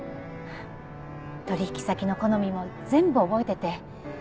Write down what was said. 取引先の好みも全部覚えてて。